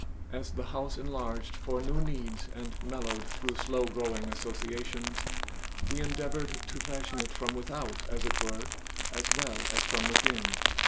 As the House enlarged for new needs and mellowed through slow growing associations, we endeavored to fashion it from without, as it were, as well as from within.